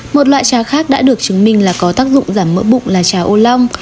một loại trà khác đã được chứng minh là có tác dụng giảm mỡ bụng là trà ô long